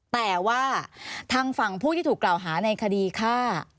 แต่ว่าทางฝั่งผู้ที่ถูกกล่าวหาในคดีฆ่า